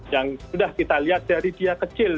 yang sudah kita lihat dari dia kecil